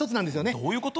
どういうこと？